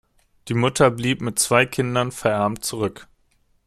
Die Mutter blieb mit zwei Kindern verarmt zurück.